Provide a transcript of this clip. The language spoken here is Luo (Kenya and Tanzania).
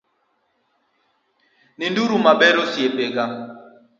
Ninduru maber osiepega